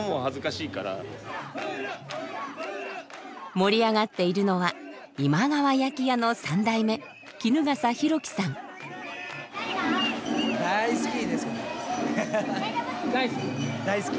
盛り上がっているのは今川焼き屋の３代目大好き？